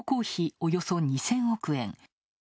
およそ２０００億円。